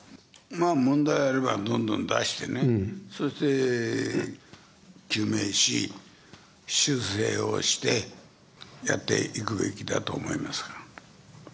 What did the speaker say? まあ問題あればどんどん出してね、そして究明し、修正をして、やっていくべきだと思いますから。